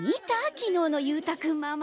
昨日の勇太君ママ。